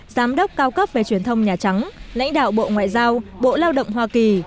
giám đốc cao cấp về truyền thông nhà trắng lãnh đạo bộ ngoại giao bộ lao động hoa kỳ